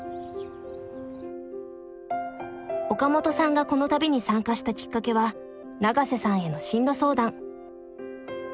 岡本さんがこの旅に参加したきっかけは永瀬さんへの進路相談。